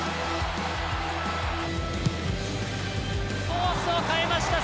コースを変えました！